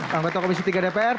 bang betul komisi tiga dpr